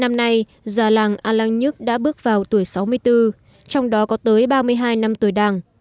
năm nay già làng a lăng nhất đã bước vào tuổi sáu mươi bốn trong đó có tới ba mươi hai năm tuổi đàng